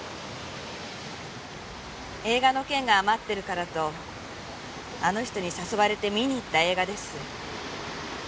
映画の券が余ってるからとあの人に誘われて見に行った映画です。